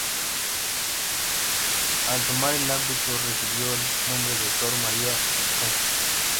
Al tomar el hábito recibió el nombre de Sor María de los Ángeles.